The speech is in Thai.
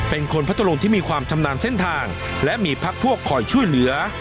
เป็นคนพัทธรุงที่มีความชำนาญเส้นทางและมีพักพวกคอยช่วยเหลือ